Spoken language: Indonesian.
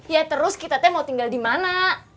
ya terus kita mau tinggal dimana